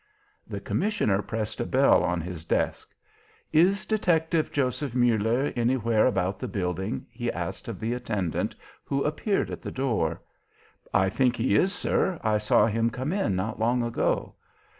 The commissioner pressed a bell on his desk. "Is Detective Joseph Muller anywhere about the building?" he asked of the attendant who appeared at the door. "I think he is, sir. I saw him come in not long ago."